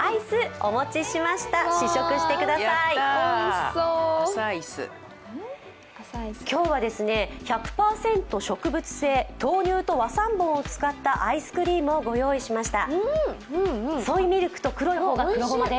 おいしそう今日は１００％植物性、豆乳と和三盆を使ったアイスクリームを御用意しました。